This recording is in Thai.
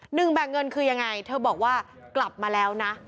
แบ่งเงินคือยังไงเธอบอกว่ากลับมาแล้วนะ